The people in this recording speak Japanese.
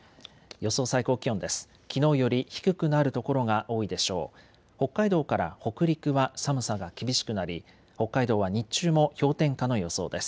予想最高気温です。